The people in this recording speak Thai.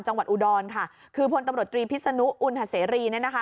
จังหวัดอุดรค่ะคือพลตำลดตรีพิศนุอุณหัตเซรีนะนะคะ